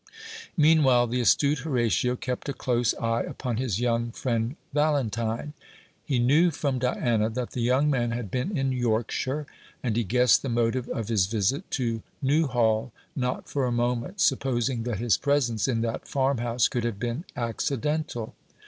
Meanwhile the astute Horatio kept a close eye upon his young friend Valentine. He knew from Diana that the young man had been in Yorkshire; and he guessed the motive of his visit to Newhall, not for a moment supposing that his presence in that farmhouse could have been accidental.